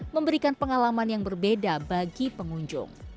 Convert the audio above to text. memberikan pengalaman yang berbeda bagi pengunjung